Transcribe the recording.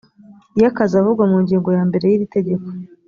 y akazi avugwa mu ngingo ya mbere y iritegeko